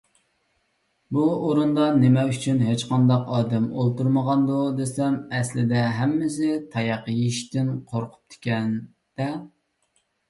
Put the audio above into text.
_ بۇ ئورۇندا نېمە ئۈچۈن ھېچقانداق ئادەم ئولتۇرمىغاندۇ دېسەم، ئەسلىدە ھەممىسى تاياق يېيىشتىن قورقۇپتىكەن - دە.